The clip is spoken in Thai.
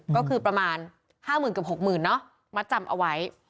ก็คือประมาณ๕๐๐๐เกือบ๖๐๐๐เนาะมัดจำเอาไว้